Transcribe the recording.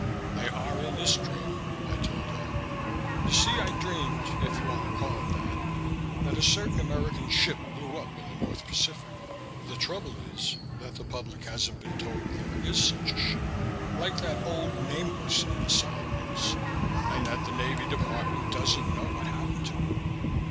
"They are in this dream," I told her. "You see I dreamed if you want to call it that that a certain American ship blew up in the North Pacific. The trouble is that the public hasn't been told that there is such a ship, like that 'Old Nameless' in the Solomons, and that the Navy Department doesn't know what happened to it.